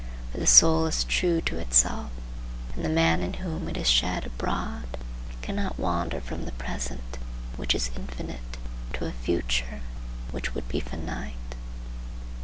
For the soul is true to itself, and the man in whom it is shed abroad cannot wander from the present, which is infinite, to a future which would be finite.